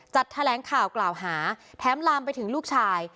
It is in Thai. แถลงข่าวกล่าวหาแถมลามไปถึงลูกชาย